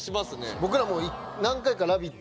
僕らも何回か「ラヴィット！」